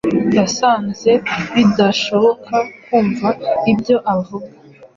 Yasanze bidashoboka kumva ibyo avuga.